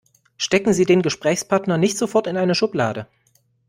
Stecken Sie den Gesprächspartner nicht sofort in eine Schublade.